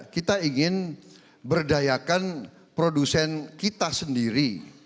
kita ingin berdayakan produsen kita sendiri